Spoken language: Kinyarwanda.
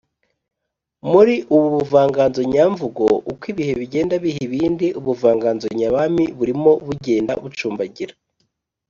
Muri ubu buvanganzo nyamvugo, uko ibihe bijyenda biha ibindi ubuvanganzo nyabami burimo bugenda bucumbagira